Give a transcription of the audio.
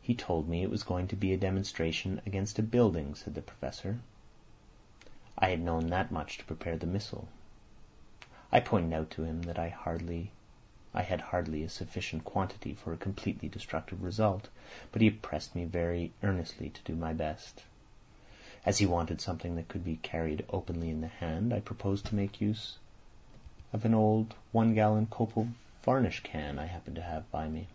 "He told me it was going to be a demonstration against a building," said the Professor. "I had to know that much to prepare the missile. I pointed out to him that I had hardly a sufficient quantity for a completely destructive result, but he pressed me very earnestly to do my best. As he wanted something that could be carried openly in the hand, I proposed to make use of an old one gallon copal varnish can I happened to have by me.